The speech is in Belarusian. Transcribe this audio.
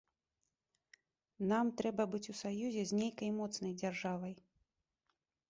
Нам трэба быць у саюзе з нейкай моцнай дзяржавай.